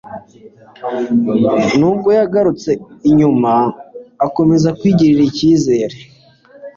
Nubwo yagarutse inyuma, akomeza kwigirira icyizere